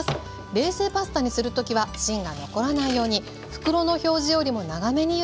冷製パスタにする時は芯が残らないように袋の表示よりも長めにゆでましょう。